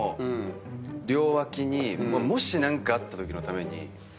もし何かあったときのために。